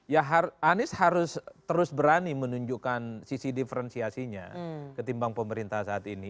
ya anies harus terus berani menunjukkan sisi diferensiasinya ketimbang pemerintah saat ini